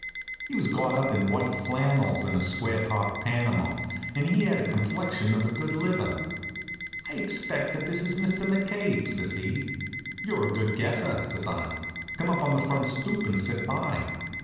He was got up in white flannels and a square topped Panama, and he had the complexion of a good liver. "I expect that this is Mr. McCabe," says he. "You're a good guesser," says I. "Come up on the front stoop and sit by."